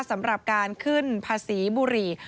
สำหรับการขึ้นภาษีบุหรี่